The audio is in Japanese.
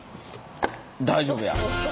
大丈夫や！